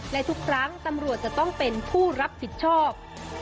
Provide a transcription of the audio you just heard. และทุกครั้งตำรวจจะต้องเป็นผู้รับผิดชอบ